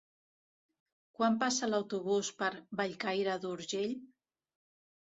Quan passa l'autobús per Bellcaire d'Urgell?